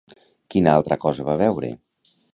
Quina altra cosa va veure?